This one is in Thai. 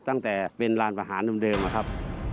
ตั้งแต่เป็นร้านประหารเดิมนะครับ